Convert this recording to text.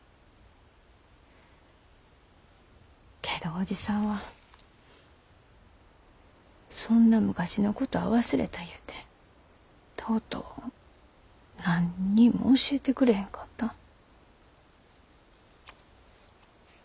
けど伯父さんはそんな昔のことは忘れた言うてとうとう何にも教えてくれへんかった。